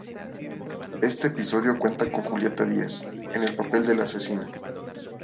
Este episodio cuenta con Julieta Díaz, en el papel de la asesina.